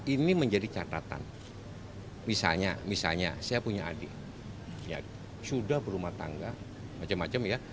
ini menjadi catatan misalnya misalnya saya punya adik ya sudah berumah tangga macam macam ya